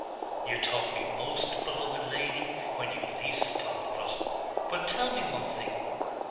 'You taught me most, beloved lady, when you least thought of it. But tell me one thing more.